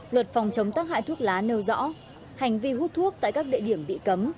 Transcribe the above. luật phòng chống tác hại thuốc lá nêu rõ hành vi hút thuốc tại các địa điểm bị cấm